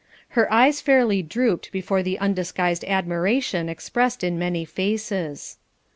Her eyes fairly drooped before the undisguised admiration expressed in many faces.